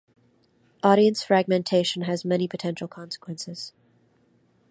Audience fragmentation has many potential consequences.